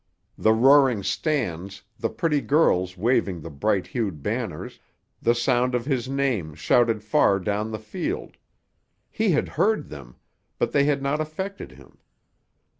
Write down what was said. The roaring stands, the pretty girls waving the bright hued banners, the sound of his name shouted far down the field—he had heard them, but they had not affected him.